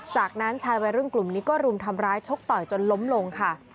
จากนั้นชายวัยรุ่นกลุ่มนี้ก็รุมทำร้ายชกต่อยจนล้มลงค่ะ